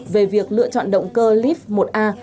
về việc lựa chọn động cơ leaf một a